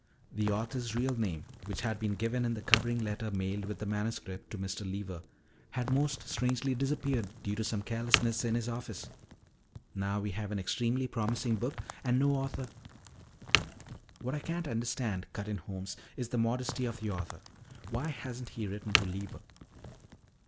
The author's real name, which had been given in the covering letter mailed with the manuscript to Mr. Lever, had most strangely disappeared, due to some carelessness in his office. "Now we have an extremely promising book and no author " "What I can't understand," cut in Holmes, "is the modesty of the author. Why hasn't he written to Lever?"